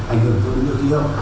ảnh hưởng cho nông thôn khí hậu